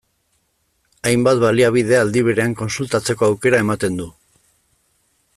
Hainbat baliabide aldi berean kontsultatzeko aukera ematen du.